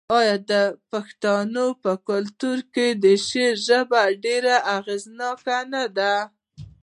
آیا د پښتنو په کلتور کې د شعر ژبه ډیره اغیزناکه نه ده؟